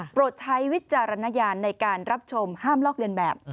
ใช้วิจารณญาณในการรับชมห้ามลอกเลียนแบบ